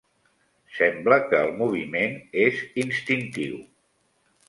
Sembla, que el moviment és instintiu